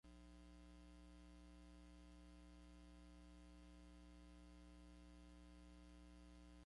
The admissions also implicated teammates Al Nichols and Bill Craver.